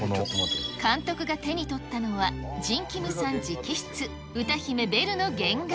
監督が手に取ったのは、ジン・キムさん直筆、歌姫ベルの原画。